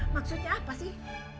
maksudnya apa sih